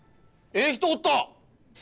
ええ人おった！